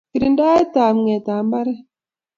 Kirindaet ab ng'et ab mbaret